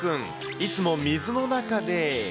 いつも水の中で。